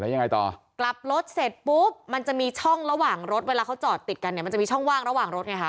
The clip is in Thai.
ยังไงต่อกลับรถเสร็จปุ๊บมันจะมีช่องระหว่างรถเวลาเขาจอดติดกันเนี่ยมันจะมีช่องว่างระหว่างรถไงคะ